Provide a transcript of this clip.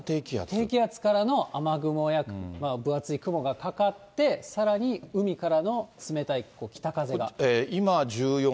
低気圧からの雨雲や、分厚い雲がかかって、さらに海からの冷たい北風が。